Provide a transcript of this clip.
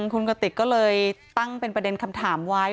คุณกติกก็เลยตั้งเป็นประเด็นคำถามไว้